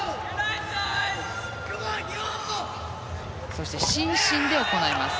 そして伸身で行います。